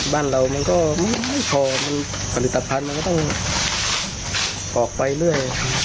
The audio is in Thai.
บ้านเรามันก็ไม่พอมันผลิตภัณฑ์มันก็ต้องออกไปเรื่อย